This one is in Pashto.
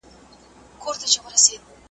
کرۍ ورځ یې په ځغستا او په مزلونو .